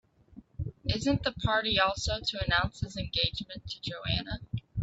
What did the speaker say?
Isn't the party also to announce his engagement to Joanna?